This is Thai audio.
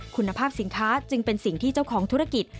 คุณภาพสินค้าจึงเป็นสิ่งที่เจ้าของธุรกิจ